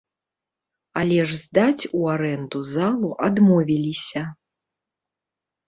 Але ж здаць ў арэнду залу адмовіліся.